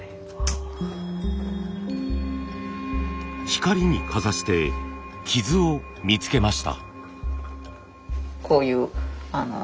光にかざして傷を見つけました。